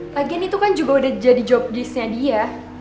lagi lagi itu kan juga udah jadi job desk nya dia